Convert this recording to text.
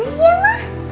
bagus ya mak